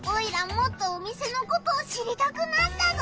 もっとお店のことを知りたくなったぞ！